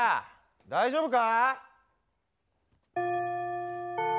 大丈夫か？